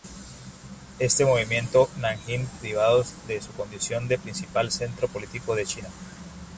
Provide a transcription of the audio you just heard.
Este movimiento Nanjing privados de su condición de principal centro político de China.